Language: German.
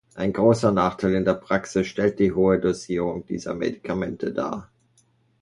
Ein großer Nachteil in der Praxis stellt die hohe Dosierung dieser Medikamente dar.